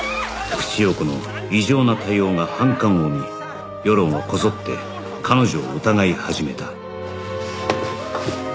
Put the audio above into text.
福地陽子の異常な対応が反感を生み世論はこぞって彼女を疑い始めた